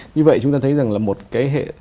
như vậy chúng ta thấy rằng là một cái